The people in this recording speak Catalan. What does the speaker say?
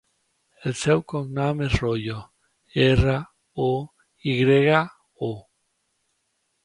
El seu cognom és Royo: erra, o, i grega, o.